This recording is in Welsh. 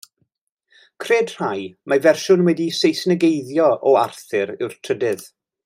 Cred rhai mai fersiwn wedi'i Seisnigeiddio o Arthur yw'r trydydd.